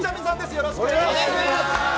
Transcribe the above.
よろしくお願いしお願いします。